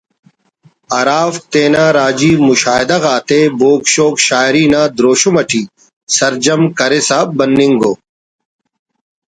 ہرافک تینا راجی مشاہدہ غاتے بوگ شوگ شاعری نا دروشم اٹی سرجم کرسا بننگ ءُ